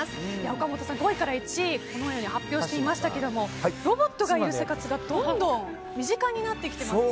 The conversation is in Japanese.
岡本さん、５位から１位発表していただきましたけどもロボットがいる生活がどんどん身近になってきてますね。